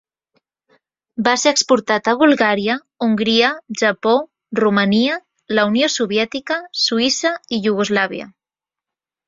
Va ser exportat a Bulgària, Hongria, Japó, Romania, la Unió Soviètica, Suïssa i Iugoslàvia.